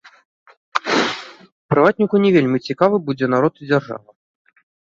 Прыватніку не вельмі цікавы будзе народ і дзяржава.